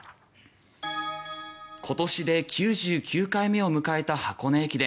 今年で９９回目を迎えた箱根駅伝。